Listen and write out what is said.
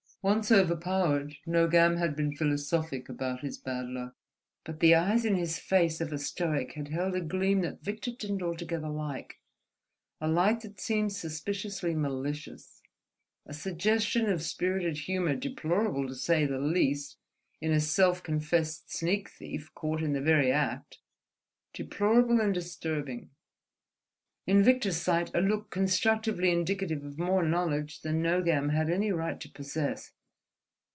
Once overpowered, Nogam had been philosophic about his bad luck; but the eyes in his face of a stoic had held a gleam that Victor didn't altogether like, a light that seemed suspiciously malicious, a suggestion of spirited humour deplorable to say the least in a self confessed sneak thief caught in the very act, deplorable and disturbing; in Victor's sight a look constructively indicative of more knowledge than Nogam had any right to possess.